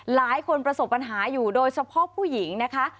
ประสบปัญหาอยู่โดยเฉพาะผู้หญิงนะคะ